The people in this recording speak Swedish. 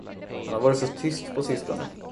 Han har varit så tyst på sistone.